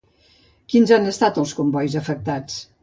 Quins han estat els combois afectats?